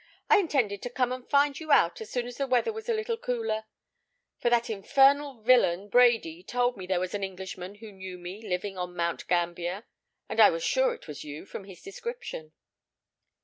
"I intended to come and find you out as soon as the weather was a little cooler; for that infernal villain, Brady, told me there was an Englishman who knew me living on Mount Gambier, and I was sure it was you from his description."